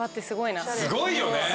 すごいよね。